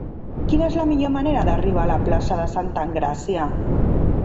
Quina és la millor manera d'arribar a la plaça de Santa Engràcia?